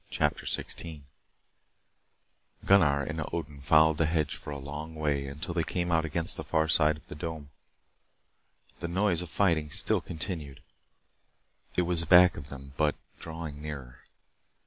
CHAPTER 16 Gunnar and Odin followed the hedge for a long way, until they came out against the far side of the dome. The noise of fighting still continued. It was back of them, but drawing nearer.